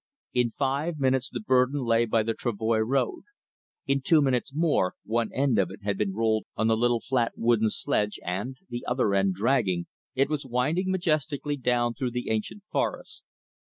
In five minutes the burden lay by the travoy road. In two minutes more one end of it had been rolled on the little flat wooden sledge and, the other end dragging, it was winding majestically down through the ancient forest.